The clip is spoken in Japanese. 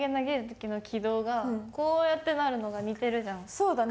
そうだね。